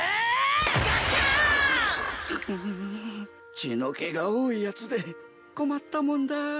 血の気が多いやつで困ったもんだ。